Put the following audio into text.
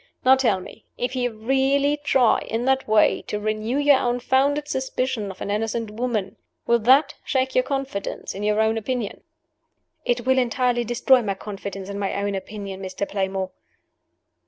Now tell me if he really try, in that way, to renew your unfounded suspicion of an innocent woman, will that shake your confidence in your own opinion?" "It will entirely destroy my confidence in my own opinion, Mr. Playmore."